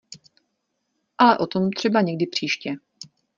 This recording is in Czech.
Ale o tom třeba někdy příště.